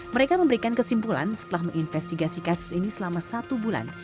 mereka memberikan kesimpulan setelah menginvestigasi kasus ini selama satu bulan